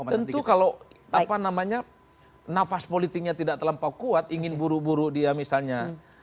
tentu kalau nafas politiknya tidak terlampau kuat ingin buru buru dia misalnya